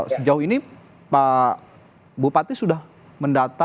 sejauh ini pak bupati sudah mendata